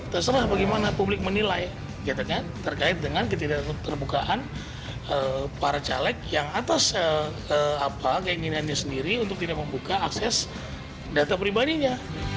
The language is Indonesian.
terserah bagaimana publik menilai terkait dengan ketidak terbukaan para caleg yang atas keinginannya sendiri untuk tidak membuka akses data pribadinya